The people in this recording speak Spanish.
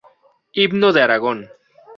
Himno de Aragón.